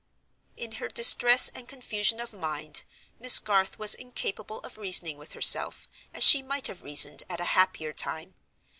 In her distress and confusion of mind Miss Garth was incapable of reasoning with herself, as she might have reasoned at a happier time.